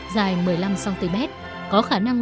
dài một mươi năm cm có khả năng